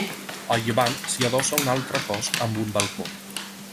A llevant s'hi adossa un altre cos amb un balcó.